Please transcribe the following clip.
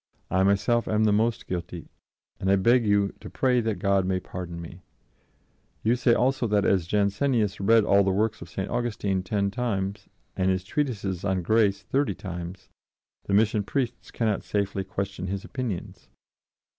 I myself am the most guilty, and I beg you to pray that God may pardon me .... You say also that as Jansenius read all the works of St. Augustine ten times, and his treatises on grace thirty times, the Mission Priests cannot safely question his opinions.